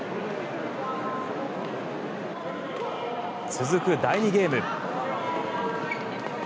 続く第２ゲーム。